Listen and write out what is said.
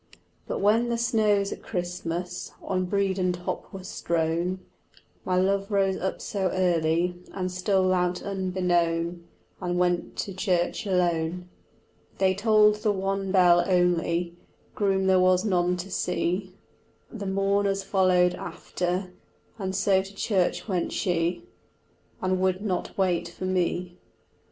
But when the snows at Christmas On Bredon top were strown, My love rose up so early And stole out unbeknown And went to church alone. They tolled the one bell only, Groom there was none to see, The mourners followed after, And so to church went she, And would not wait for me.